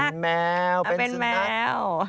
เป็นแมวเป็นสุนัข